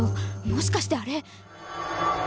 もしかしてあれ！